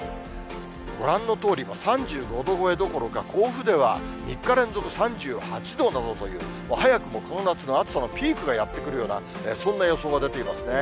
ご覧のとおりの３５度超えどころか、甲府では３日連続３８度などという、もう早くもこの夏の暑さのピークがやって来るような、そんな予想が出ていますね。